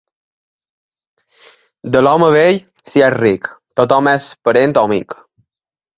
De l'home vell, si és ric, tothom és parent o amic.